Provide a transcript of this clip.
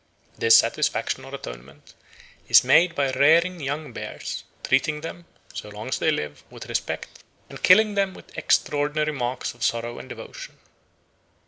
This satisfaction or atonement is made by rearing young bears, treating them, so long as they live, with respect, and killing them with extraordinary marks of sorrow and devotion.